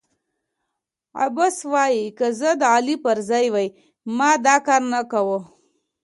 عباس وايی که زه د علي پر ځای وای ما دا کارنه کاوه.